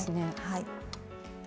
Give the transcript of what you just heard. はい。